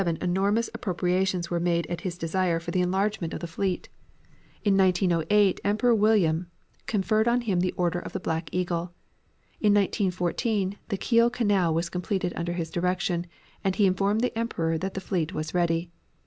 In 1907 enormous appropriations were made at his desire for the enlargement of the fleet. In 1908 Emperor William conferred on him the Order of the Black Eagle. In 1914 the Kiel Canal was completed under his direction, and he informed the Emperor that the fleet was ready.